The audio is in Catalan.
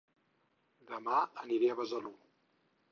Dema aniré a Besalú